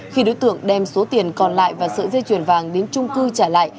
khi đối tượng đem số tiền còn lại và sợi dây chuyền vàng đến trung cư trả lại